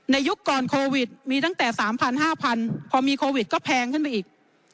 ยุคก่อนโควิดมีตั้งแต่๓๐๐๕๐๐พอมีโควิดก็แพงขึ้นไปอีก